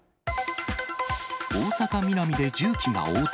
大阪・ミナミで重機が横転。